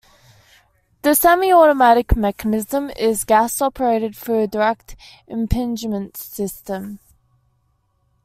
The semi-automatic mechanism is gas-operated through the direct impingement system.